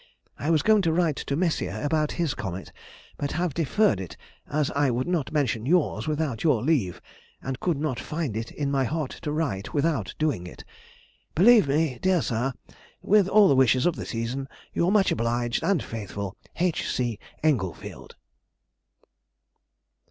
I was going to write to Messier about his comet, but have deferred it, as I would not mention yours without your leave, and could not find it in my heart to write without doing it. Believe me, dear Sir, With all the wishes of the season, Your much obliged and faithful H. C. ENGLEFIELD.